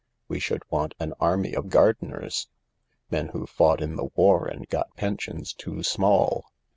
"We should want an army of gardeners." " Men who've fought in the war and got pensions t small.